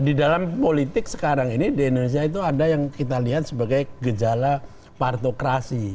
di dalam politik sekarang ini di indonesia itu ada yang kita lihat sebagai gejala partokrasi